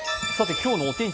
今日のお天気